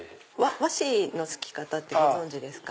和紙のすき方ご存じですか？